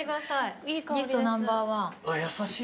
優しい。